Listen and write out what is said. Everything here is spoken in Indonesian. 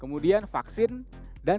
kemudian vaksin dan tiga t